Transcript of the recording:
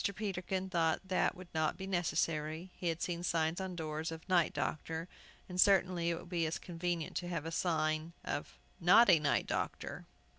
Peterkin thought that would not be necessary. He had seen signs on doors of "Night Doctor," and certainly it would be as convenient to have a sign of "Not a Night Doctor."